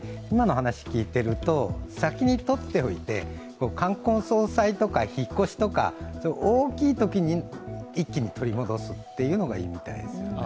先にとっておいて冠婚葬祭とか引っ越しとか大きいときに一気に取り戻すというのがいいみたいですね。